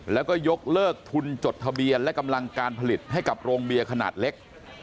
แล้วก็ยกเลิกทุนจดทะเบียนและกำลังการผลิตให้กับโรงเบียร์ขนาดเล็ก